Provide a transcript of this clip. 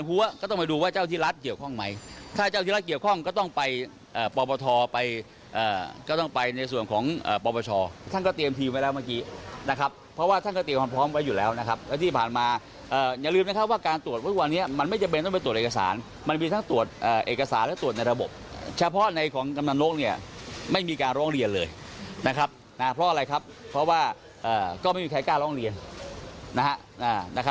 เพราะอะไรครับเพราะว่าก็ไม่มีใครกล้าร้องเรียน